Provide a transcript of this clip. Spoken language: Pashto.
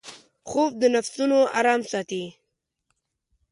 خوب د نفسونـو آرام ساتي